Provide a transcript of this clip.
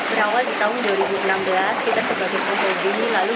usaha ikan koi kupang ini berawal di tahun dua ribu enam belas